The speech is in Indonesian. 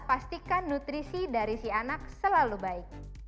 pastikan nutrisi dari si anak selalu baik